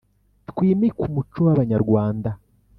Twimike umuco w’abanyarwanda